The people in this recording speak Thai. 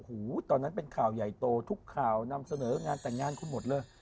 ตอนนั้นเป็นข่าวใหญ่โตทุกข่าวนำเสนองานแต่งงานคุณหมดเลย